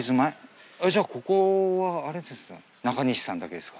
じゃあここはあれですか？